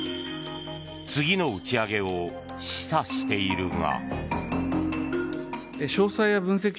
次の打ち上げを示唆しているが。